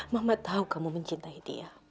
mama tahu kamu mencintai dia